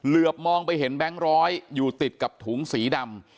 มองไปเห็นแบงค์ร้อยอยู่ติดกับถุงสีดำ